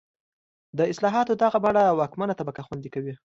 د اصلاحاتو دغه بڼه واکمنه طبقه خوندي کوي.